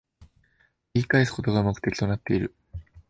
言い返すことが目的になってる